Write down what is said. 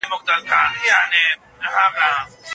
مالګه په ډوډۍ کې کم استعمال کړئ.